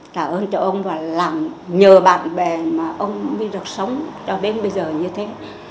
trả ơn cho ông và nhờ bạn bè mà ông đi được sống cho đến bây giờ như thế